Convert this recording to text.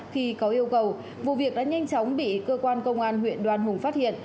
khi có yêu cầu vụ việc đã nhanh chóng bị cơ quan công an huyện đoan hùng phát hiện